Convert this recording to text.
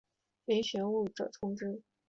遴谙学务者充之。